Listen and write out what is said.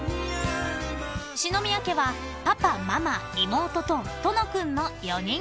［篠宮家はパパママ妹ととの君の４人家族］